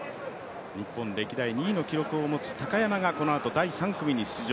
日本歴代２位の記録を持つ高山が、このあと第３組に出場。